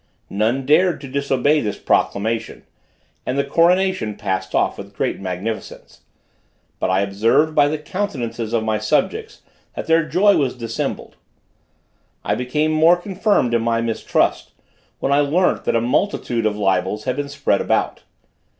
None dared to disobey this proclamation, and the coronation passed off with great magnificence; but I observed by the countenances of my subjects, that their joy was dissembled. I became more confirmed in my mistrust, when I learnt that a multitude of libels had been spread about.